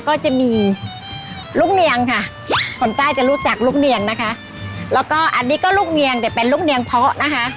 ก็จะมีลูกเนียงค่ะคนใต้จะรู้จักลูกเนียงนะคะแล้วก็อันนี้ก็ลูกเนียงแต่เป็นลูกเนียงเพาะนะคะ